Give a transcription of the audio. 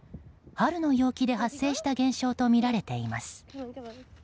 春の陽気で発生した現象とみられています。